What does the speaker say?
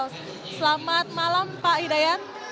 selamat malam pak hidayat